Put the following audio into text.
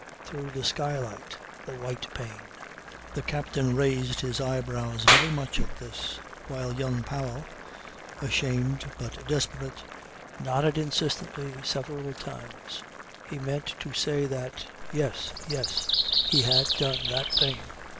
"Through the skylight. The white pane." The captain raised his eyebrows very much at this, while young Powell, ashamed but desperate, nodded insistently several times. He meant to say that: Yes. Yes. He had done that thing.